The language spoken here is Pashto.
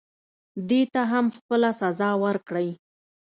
دې ته هم خپله سزا ورکړئ.